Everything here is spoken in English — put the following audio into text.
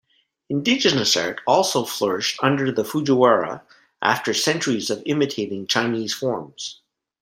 Indigenous art also flourished under the Fujiwara after centuries of imitating Chinese forms.